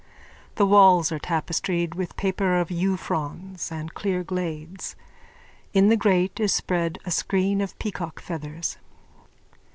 The walls are tapestried with a paper of yewfronds and clear glades. In the grate is spread a screen of peacock feathers.